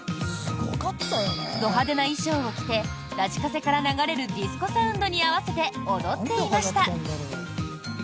ど派手な衣装を着てラジカセから流れるディスコサウンドに合わせて踊っていました。